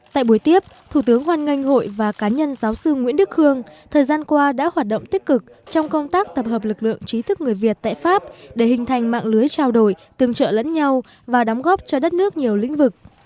tại buổi tiếp thủ tướng hoan nghênh hội và cá nhân giáo sư nguyễn đức khương thời gian qua đã hoạt động tích cực trong công tác tập hợp lực lượng trí thức người việt tại pháp để hình thành mạng lưới trao đổi tương trợ lẫn nhau và đóng góp cho đất nước nhiều lĩnh vực